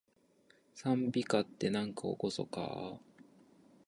讃美歌って、なんかおごそかー